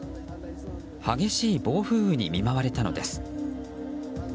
激しい暴風雨に見舞われたのです。